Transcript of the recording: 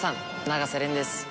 永瀬廉です。